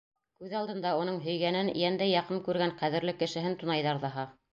Күҙ алдында уның һөйгәнен, йәндән яҡын күргән ҡәҙерле кешеһен тунайҙар ҙаһа.